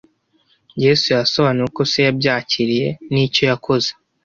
Yesu yasobanuye uko se yabyakiriye n’icyo yakoze